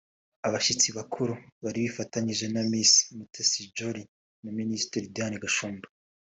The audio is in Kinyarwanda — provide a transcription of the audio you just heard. Abashyitsi bakuru bari bifatanyije na Miss Mutesi Jolly ni Minisitiri Diane Gashumba